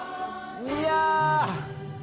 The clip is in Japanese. いや。